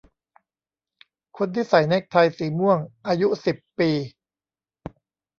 คนที่ใส่เนกไทสีม่วงอายุสิบปี